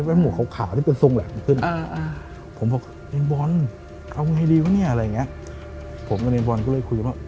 เพราะว่าเราก็คุยว่า